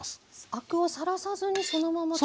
アクをさらさずにそのまま調理して。